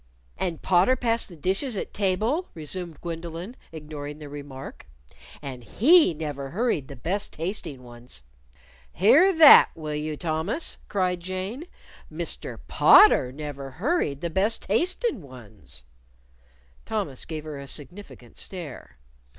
" And Potter passed the dishes at table," resumed Gwendolyn, ignoring the remark; "and he never hurried the best tasting ones." "Hear that will you, Thomas!" cried Jane. "Mr. Potter never hurried the best tastin' ones!" Thomas gave her a significant stare.